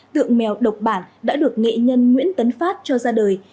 tượng mèo độc bản đã được nghệ nhân nguyễn tấn phát cho ra đời